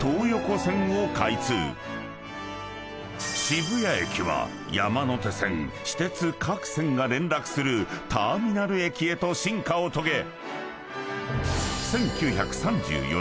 ［渋谷駅は山手線私鉄各線が連絡するターミナル駅へと進化を遂げ］